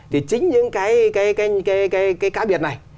thì chính những cái cá biệt này